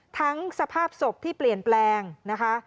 สภาพศพที่เปลี่ยนแปลงนะคะ